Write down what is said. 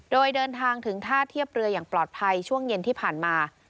โดยเดินทางถึงท่าเทียบเรืออย่างปลอดภัยช่วงเย็นที่ผ่านมา